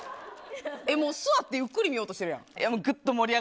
もう、座ってゆっくり見ようとしてるやん。